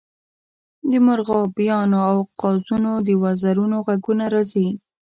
د مرغابیانو او قازونو د وزرونو غږونه راځي